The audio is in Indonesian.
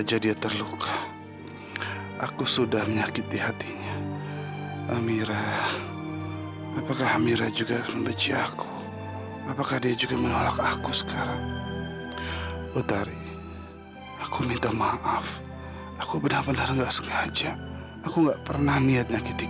apakah terjadi apa terjadi